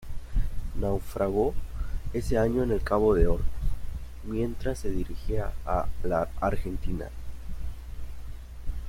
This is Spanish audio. Naufragó ese año en el Cabo de Hornos, mientras se dirigía a la Argentina.